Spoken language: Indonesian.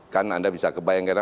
kan anda bisa kebayangkan